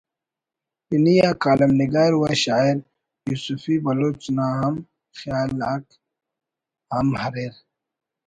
پنی آ کالم نگار و شاعر یوسفی بلوچ نا ہم خیال آک ہم اریر